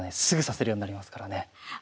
すぐ指せるようになりますからね。